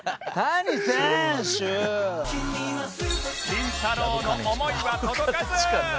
りんたろー。の思いは届かず！